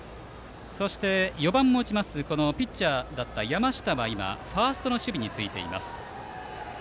４番を打ちますピッチャーだった山下はファーストの守備についています。